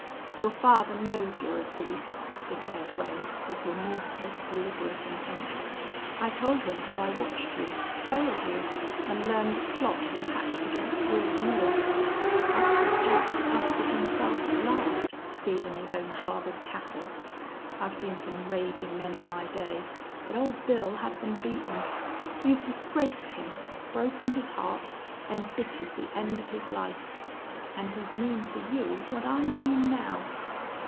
"Your father knows you're a thief," declared Wade, with remorseless, deliberate intent. "I told him how I watched you trailed you an' learned the plot you hatched against Wils Moore.... Buster Jack busted himself at last, stealin' his own father's cattle.... I've seen some ragin' men in my day, but Old Bill had them beaten. You've disgraced him broken his heart embittered the end of his life.... An' he'd mean for you what I mean now!"